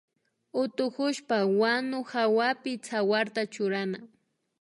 Utukushpa wanu hawapi tsawarta churana